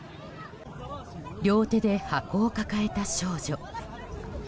両手で箱を抱えた少女。